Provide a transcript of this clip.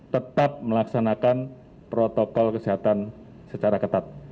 tetap melaksanakan protokol kesehatan secara ketat